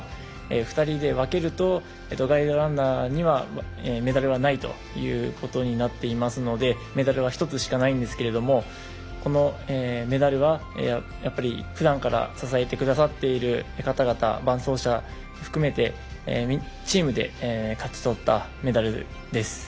２人で分けるとガイドランナーにはメダルはないということになっていますのでメダルは１つしかないんですけれどもこのメダルはやっぱり、ふだんから支えてくださっている方々伴走者含めてチームで勝ち取ったメダルです。